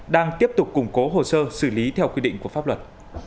đang tiếp tục củng cố hồ sơ xử lý theo quy định của pháp luật